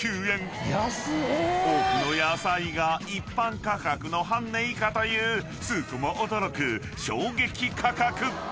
［多くの野菜が一般価格の半値以下というスー子も驚く衝撃価格！］